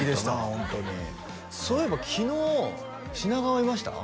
ホントにそういえば昨日品川いました？